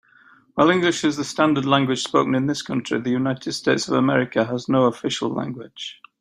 While English is the standard language spoken in his country, the United States of America has no official language.